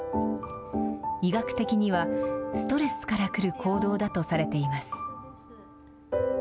医学的には、ストレスから来る行動だとされています。